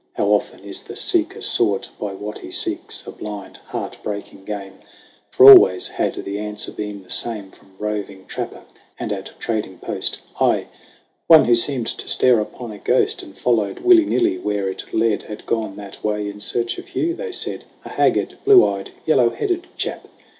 (How often is the seeker sought By what he seeks a blind, heart breaking game !) For always had the answer been the same From roving trapper and at trading post : Aye, one who seemed to stare upon a ghost And followed willy nilly where it led, Had gone that way in search of Hugh, they said A haggard, blue eyed, yellow headed chap.